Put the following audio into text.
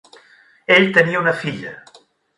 Ell tenia una filla.